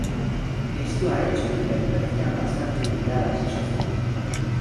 Esto ha hecho que permanezcan bastante olvidadas y sucias.